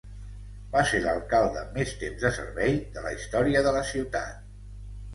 Va ser l'alcalde amb més temps de servei de la història de la ciutat.